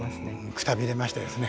くたびれましたですね。